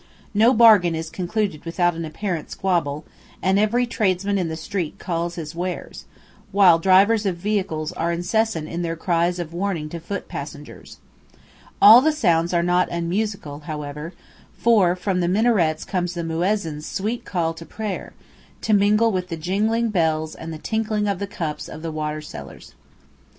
No bargain is concluded without an apparent squabble, and every tradesman in the street calls his wares, while drivers of vehicles are incessant in their cries of warning to foot passengers. All the sounds are not unmusical, however, for from the minarets comes the "muezzin's" sweet call to prayer, to mingle with the jingling bells and the tinkling of the cups of the water sellers.